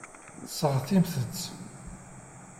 Seɣtimt-tt.